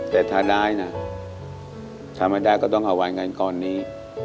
แต่ถ้าได้นะถ้าไม่ได้ก็ต้องเอาไว้เงินก้อนนี้